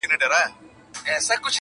کلونه وروسته هم يادېږي تل,